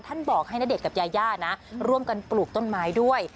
บอกให้ณเดชน์กับยาย่านะร่วมกันปลูกต้นไม้ด้วย